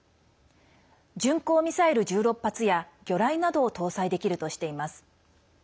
巡航ミサイル１６発や魚雷などを搭載できるとしています。